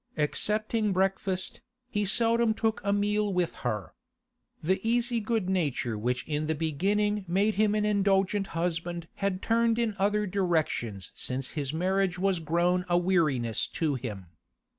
Excepting breakfast, he seldom took a meal with her. The easy good nature which in the beginning made him an indulgent husband had turned in other directions since his marriage was grown a weariness to him.